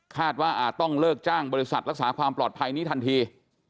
ว่าอาจต้องเลิกจ้างบริษัทรักษาความปลอดภัยนี้ทันที